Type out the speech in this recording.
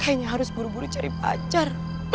kayaknya harus buru buru cari pacar